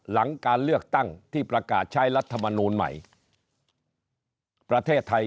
หลังการเลือกตั้งที่ประกาศใช้รัฐมนูลใหม่ประเทศไทย